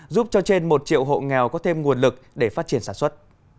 giúp cho trên một triệu hộ nghèo có thêm nguồn lực để phát triển sản xuất